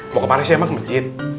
mau ke paris ya emang ke masjid